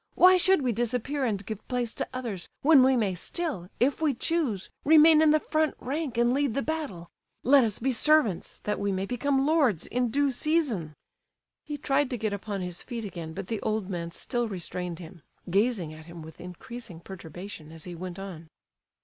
Why should we disappear and give place to others, when we may still, if we choose, remain in the front rank and lead the battle? Let us be servants, that we may become lords in due season!" He tried to get upon his feet again, but the old man still restrained him, gazing at him with increasing perturbation as he went on.